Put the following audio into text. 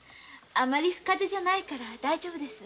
深手じゃないから大丈夫です。